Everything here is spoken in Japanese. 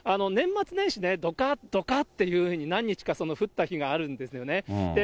年末年始、どかっ、どかっていうふうに、何日か降った日があるんですよね。